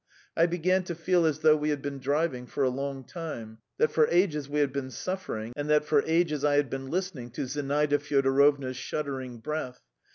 I began to feel as though we had been driving for a long time, that for ages we had been suffering, and that for ages I had been listening to Zinaida Fyodorovna's shuddering breath.